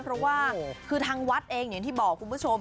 เพราะว่าคือทางวัดเองอย่างที่บอกคุณผู้ชม